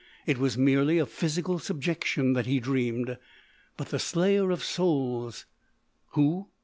It was merely of physical subjection that he dreamed. But the Slayer of Souls——" "Who?"